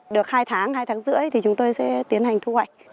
được hai tháng hai tháng rưỡi thì chúng tôi sẽ tiến hành thu hoạch